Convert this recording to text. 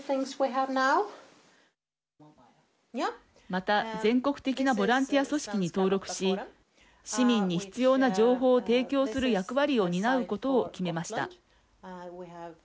また、全国的なボランティア組織に登録し市民に必要な情報を提供する役割を担うことを決めました。